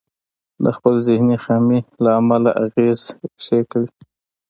د خپلې ذهني خامي له امله اغېز ريښې کوي.